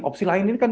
opsi lain ini kan